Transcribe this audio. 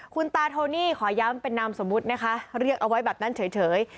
คุณตาโทนี่ขอย้ำเป็นนามสมมุตินะคะเรียกเอาไว้แบบนั้นเฉย